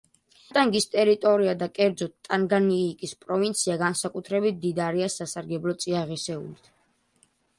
კატანგის ტერიტორია, და კერძოდ, ტანგანიიკის პროვინცია, განსაკუთრებით მდიდარია სასარგებლო წიაღისეულით.